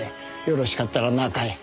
よろしかったら中へ。